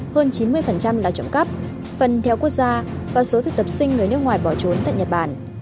hơn chín mươi là trộm cắp phần theo quốc gia và số thực tập sinh người nước ngoài bỏ trốn tại nhật bản